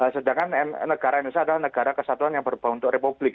sedangkan negara indonesia adalah negara kesatuan yang berbentuk republik